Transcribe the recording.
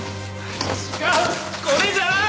違うこれじゃない！